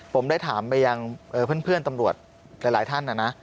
ผมได้ถามไปยังเพื่อนตำรวจหลายท่านนะนะ